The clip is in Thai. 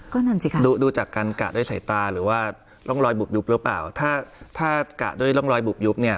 ก็นั่นสิคะดูดูจากการกะด้วยสายตาหรือว่าร่องรอยบุบยุบหรือเปล่าถ้าถ้ากะด้วยร่องรอยบุบยุบเนี่ย